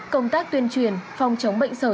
công tác tuyên truyền phòng chống bệnh sở